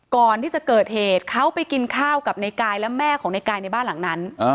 ก่อนที่จะเกิดเหตุเขาไปกินข้าวกับในกายและแม่ของในกายในบ้านหลังนั้น